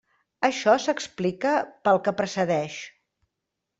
Això s'explica pel que precedeix.